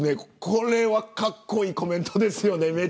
これはかっこいいコメントですよね。